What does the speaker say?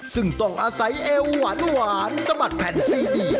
ซึ่งต้องอาศัยเอวหวานสะบัดแผ่นซีเดีย